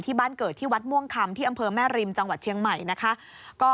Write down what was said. บ้านเกิดที่วัดม่วงคำที่อำเภอแม่ริมจังหวัดเชียงใหม่นะคะ